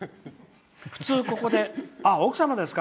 普通、ここで奥様ですか？